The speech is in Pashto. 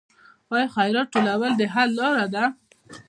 آیا خیرات ټولول د حل لاره ده؟